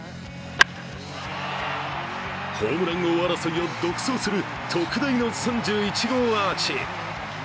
ホームラン王争いを独走する特大の３１号アーチ。